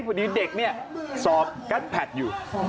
พอดีเด็กเนี่ยสอบกั๊ดแพทอยู่